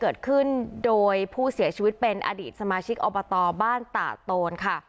เกิดขึ้นโดยผู้เสียชีวิตเป็นอดีตสมาชิกอบตบ้านตาโตนค่ะ